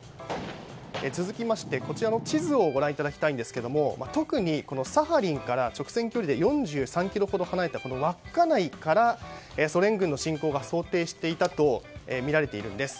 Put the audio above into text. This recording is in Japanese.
続いて、こちらの地図をご覧いただきたいんですが特にサハリンから直線距離で４３ｋｍ離れた稚内からソ連軍の侵攻を想定していたとみられているんです。